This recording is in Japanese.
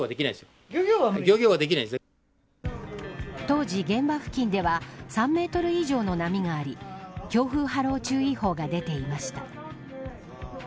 当時、現場付近では３メートル以上の波があり強風・波浪注意報が出ていました。